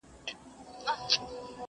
چي یو غم یې سړوم راته بل راسي!.